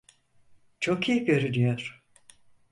Çok iyi görünüyor.